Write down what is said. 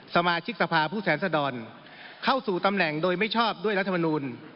สมาชิกสภาผู้แทนสดรเข้าสู่ตำแหน่งโดยไม่ชอบด้วยรัฐมนูล